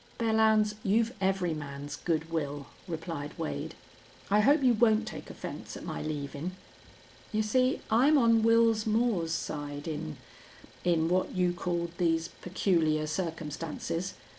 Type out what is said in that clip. "Belllounds, you've every man's good will," replied Wade. "I hope you won't take offense at my leavin'. You see I'm on Wils Moore's side in in what you called these peculiar circumstances.